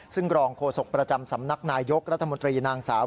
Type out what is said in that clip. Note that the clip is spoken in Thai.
ซึ่งรองโฆษกประจำสำนักนายยกรัฐมนตรีนางสาว